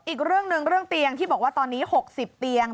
อีกเรื่องหนึ่งเรื่องเตียงที่บอกว่าตอนนี้๖๐เตียง